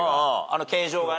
形状がね。